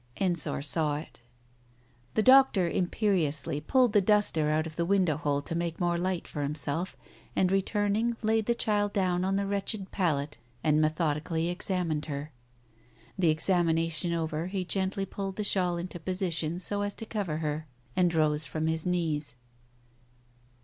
Ensor saw it The doctor imperiously pulled the duster out of the window hole to make more light for himself, and return ing, laid the child down on the wretched pallet and methodically examined her. The examination over, he gently pulled the shawl into position so as to cover her, and rose from his knees.